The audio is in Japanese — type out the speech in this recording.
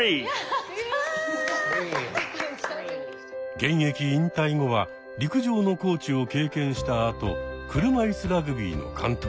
現役引退後は陸上のコーチを経験したあと車いすラグビーの監督に。